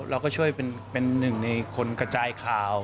เราก็ช่วยเป็นหนึ่งในคนกระจายข่าว